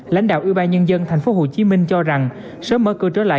lãnh đạo ưu ba nhân dân thành phố hồ chí minh cho rằng sớm mở cửa trở lại